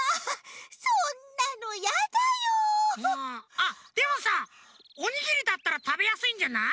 あっでもさおにぎりだったらたべやすいんじゃない？